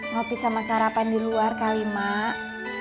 ngopi sama sarapan di luar kali mak